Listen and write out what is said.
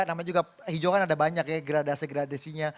namanya juga hijau kan ada banyak ya gradasi gradasinya